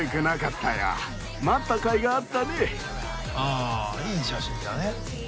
ああいい写真だね。